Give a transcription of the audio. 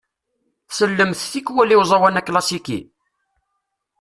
Tsellemt tikwal i uẓawan aklasiki?